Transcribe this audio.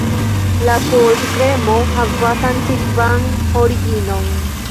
La koldkremo havas antikvan originon.